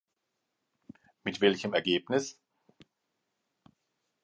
Mit welchem Ergebnis?